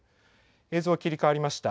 映像切りかわりました。